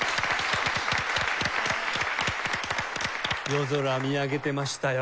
夜空見上げてましたよ。